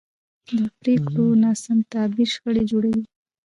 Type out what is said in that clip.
د پرېکړو ناسم تعبیر شخړې جوړوي